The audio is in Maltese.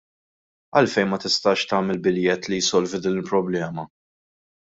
Għalfejn ma tistax tagħmel biljett li jsolvi din il-problema?